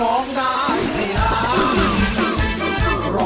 ร้องได้ให้ล้าน